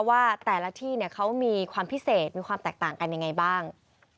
ว่าแต่ละที่เขามีความพิเศษมีความแตกต่างกันยังไงบ้าง